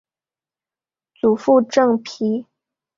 祖父郑肇。